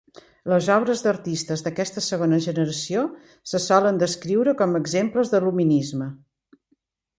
Les obres d'artistes d'aquesta segona generació se solen descriure com exemples de Luminisme.